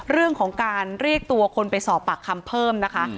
เรื่องของการเรียกตัวคนไปสอบปากคำเพิ่มนะคะ